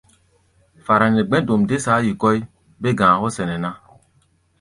Fara nɛ gbɛ̧́-dom dé saa kɔ́ʼí, bé-ga̧a̧ hɔ́ sɛnɛ ná.